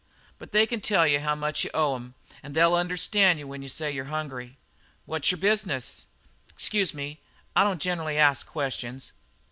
But they can tell you how much you owe 'em an' they'll understand you when you say you're hungry. What's your business? Excuse me; I don't generally ask questions."